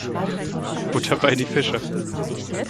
Butter bei die Fische.